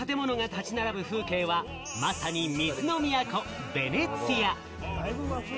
海ギリギリに建物が立ち並ぶ風景は、まさに水の都・ヴェネツィア。